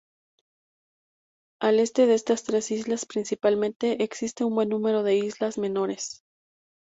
Al este de estas tres islas principales existen un buen número de islas menores.